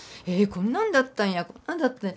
こんなんだったんやこんなんだったんや。